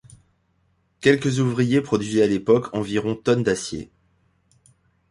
Quelque ouvriers produisaient à l'époque environ tonnes d'acier.